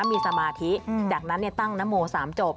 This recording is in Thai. มีสมาธิจากนั้นตั้งนโม๓จบ